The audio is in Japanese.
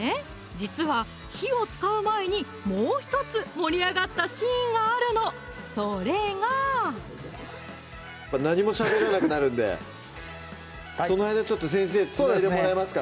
実は火を使う前にもう１つ盛り上がったシーンがあるのそれが何もしゃべらなくなるんでその間先生つないでもらえますか？